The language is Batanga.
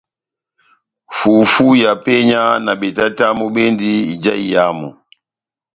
Fufu ya penya na betatamu bendi ija iyamu.